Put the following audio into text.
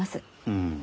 うん。